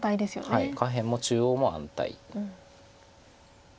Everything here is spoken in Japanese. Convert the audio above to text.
下辺も中央も安泰。